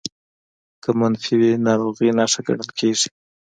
که منفي وي ناروغۍ نښه ګڼل کېږي